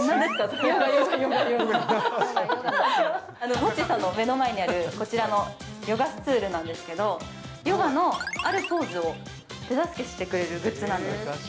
モッチーさんの目の前にある、こちらのヨガスツールなんですけど、ヨガのあるポーズを手助けしてくれるグッズなんです。